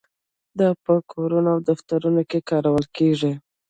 دا په کورونو او دفترونو کې کارول کیږي.